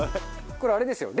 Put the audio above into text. これあれですよ。